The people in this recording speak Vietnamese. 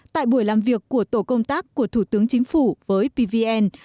tại buổi làm việc của tổ công tác của thủ tướng chính phủ với pvn